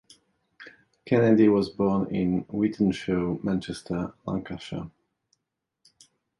Kennedy was born in Wythenshawe, Manchester, Lancashire.